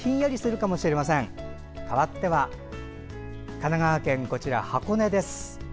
かわっては、神奈川県箱根です。